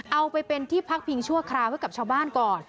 เอาไปเป็นที่พักพิงชั่วคราวให้กับชาวบ้านก่อน